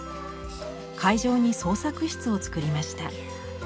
会場に「創作室」を作りました。